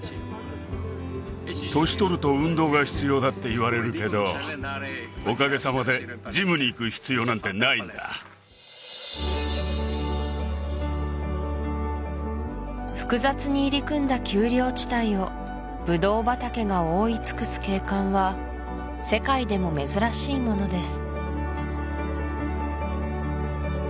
年取ると運動が必要だって言われるけどおかげさまでジムに行く必要なんてないんだ複雑に入り組んだ丘陵地帯をブドウ畑が覆い尽くす景観は世界でも珍しいものです